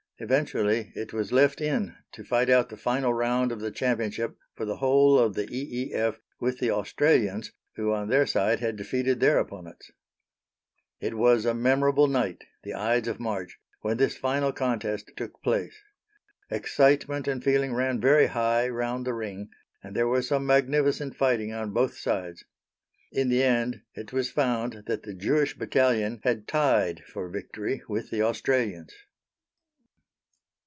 Eventually, it was left in to fight out the final round of the Championship for the whole of the E.E.F. with the Australians, who on their side had defeated their opponents. It was a memorable night (the Ides of March) when this final contest took place. Excitement and feeling ran very high round the ring, and there was some magnificent fighting on both sides. In the end it was found that the Jewish Battalion had tied for victory with the Australians.